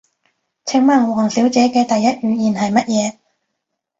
請問王小姐嘅第一語言係乜嘢？